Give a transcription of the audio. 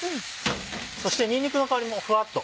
そしてにんにくの香りもふわっと。